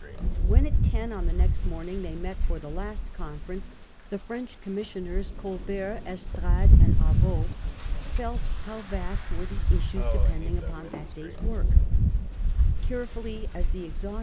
When at ten on the next morning they met for the last con ference, the French commissioners, Colbert, Estrades, and The final Avaux, felt how vast were the issues depending August""' u P cn ^ at ^ ay s wor k* Carefully as the exhaus 1678.